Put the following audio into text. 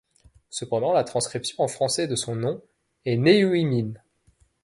Cependant, la transcription en français de son nom est Néouïmine.